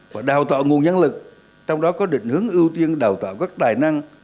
và đào tạo nguồn nhân lực trong đó có định hướng ưu tiên đào tạo các tài năng